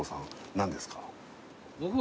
何ですか？